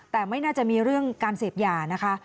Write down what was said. แต่ไม่น่าจะมีเรื่องการเสพยานะคะ